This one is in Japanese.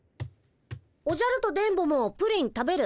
おじゃると電ボもプリン食べる？